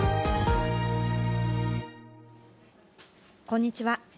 こんにちは。